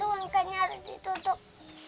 itu anginnya harus ditutup